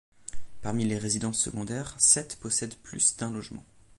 Parmi les résidences secondaires, sept possèdent plus d’un logement.